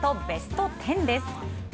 ベスト１０です。